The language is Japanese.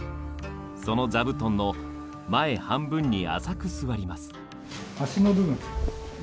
その座布団の前半分に浅く座ります。